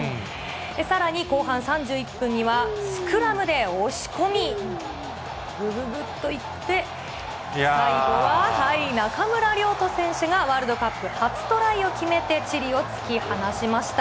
さらに、後半３１分には、スクラムで押し込み、ぐぐぐっといって、最後は、中村亮土選手がワールドカップ初トライを決めて、チリを突き放しました。